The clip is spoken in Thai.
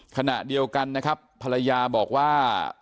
ขณะเดียวกันนะครับภรรยาบอกว่า